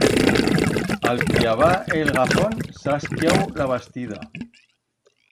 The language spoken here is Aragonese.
A'l cllavar el gafón s'ha ascllau la bastida.